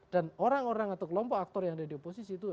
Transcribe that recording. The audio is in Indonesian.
dan orang orang atau kelompok aktor yang ada di oposisi itu